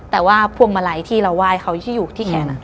แต่ว่าพวงมาลัยที่เราไหว้เขาที่อยู่ที่แขน